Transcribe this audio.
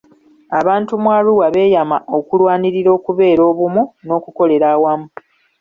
Abantu mu Arua beyama okulwanirira okubeera obumu n'okukolera awamu.